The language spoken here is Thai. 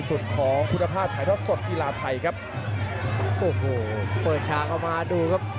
โอ้โหเพิร์ดฉางมาดูครับ